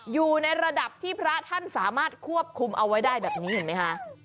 อยู่ในระดับที่พระท่านสามารถควบคุมเอาไว้ได้แบบนี้เห็นไหมคะ